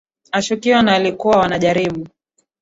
ashukiwa na walikuwa wanajaribu